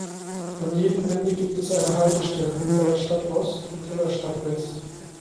An jedem Ende gibt es eine Haltestelle, Ellerstadt Ost und Ellerstadt West.